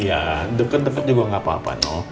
iya deket deket juga gak apa apa